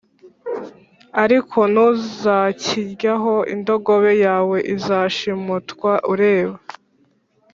ariko ntuzakiryaho. indogobe yawe izashimutwa ureba,